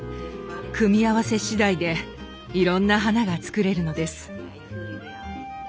組み合わせしだいでいろんな花が作れるのです。